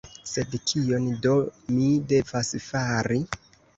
Sed kion do mi devas fari?